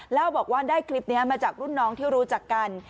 แล้วบอกว่าได้คลิปนี้มาจากรุ่นน้องที่รู้จักกัน